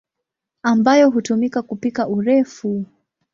ambayo hutumika kupika urefu.